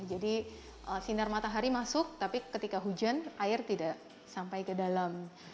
jadi sinar matahari masuk tapi ketika hujan air tidak sampai ke dalam